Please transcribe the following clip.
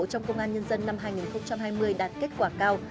trong công an nhân dân năm hai nghìn hai mươi đạt kết quả cao